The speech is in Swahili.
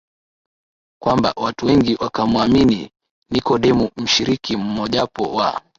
kwamba watu wengi wakamwamini Nikodemu mshiriki mmojawapo wa